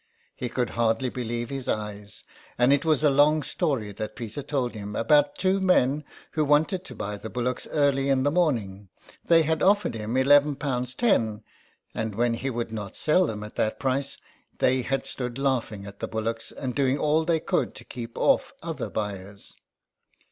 He could hardly believe his eyes, and it was a long story that Peter told him about two men who wanted to buy the bullocks early in the morning. They had offered him eleven pounds ten, and when he would not sell them at that price they had stood laughing at the bullocks and doing all they could to keep off other buyers.